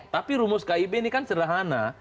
tapi rumus kib ini kan sederhana